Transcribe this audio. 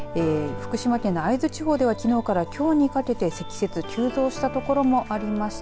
福島県の会津地方ではきのうからきょうにかけて積雪、急増した所もありました。